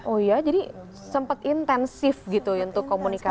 oh iya jadi sempat intensif gitu untuk komunikasi